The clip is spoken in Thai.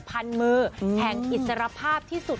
มือแห่งอิสรภาพที่สุด